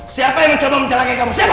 siapa yang mencoba menjalankan kamu siapa